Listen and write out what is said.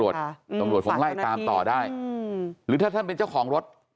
ตำรวจคงไล่ตามต่อได้อืมหรือถ้าท่านเป็นเจ้าของรถ